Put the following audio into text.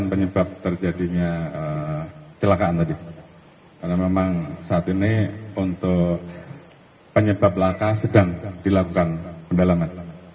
karena memang saat ini untuk penyebab laka sedang dilakukan pendalaman